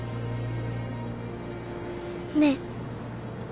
ねえ。